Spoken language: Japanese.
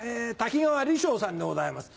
瀧川鯉昇さんでございます。